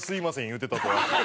言うてたとは。